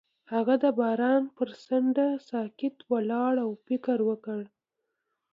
هغه د باران پر څنډه ساکت ولاړ او فکر وکړ.